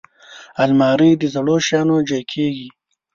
الماري د زړو شیانو ځای کېږي